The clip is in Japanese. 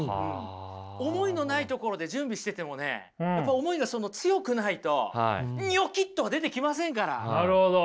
思いのないところで準備しててもねやっぱり思いが強くないとニョキッとは出てきませんから！